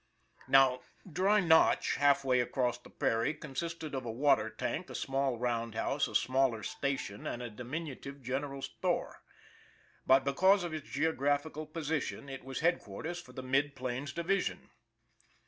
Now, Dry Notch, half way across the prairie, con sisted of a water tank, a small roundhouse, a smaller station and a diminutive general store. But because of its geographical position, it was headquarters for the Mid Plains Division.